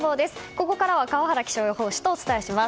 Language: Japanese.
ここからは川原気象予報士とお伝えします。